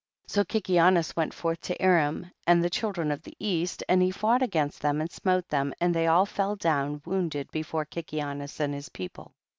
4. So Kikianus went forth to Aram and the children of the east, and he fought against them and smote them, and they all fell down wounded be fore Kikianus and his people.